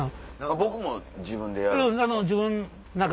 僕も自分でやるんすか？